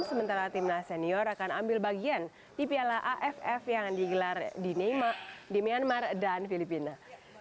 sementara timnas senior akan ambil bagian di piala aff yang digelar di myanmar dan filipina